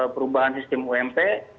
perubahan sistem ump